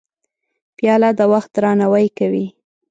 پیاله د وخت درناوی کوي.